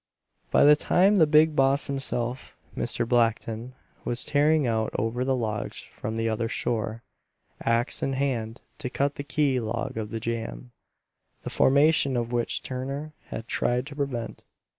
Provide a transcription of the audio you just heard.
By that time the big boss himself, Mr. Blackton, was tearing out over the logs from the other shore, axe in hand, to cut the key log of the jam, the formation of which Turner had tried to prevent.